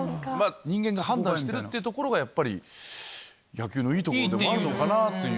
人間が判断してるってところがやっぱり野球のいいところでもあるのかなっていう。